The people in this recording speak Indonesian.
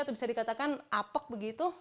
atau bisa dikatakan apek begitu